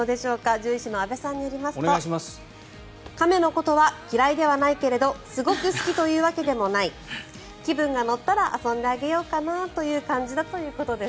獣医師の阿部さんによりますと亀のことは嫌いではないけどすごく好きというわけでもない気分が乗ったら遊んであげようかなという感じだということです。